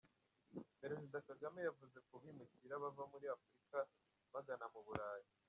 Perezida Kagame yavuze ku bimukira bava muri Afurika bagana mu Burayi.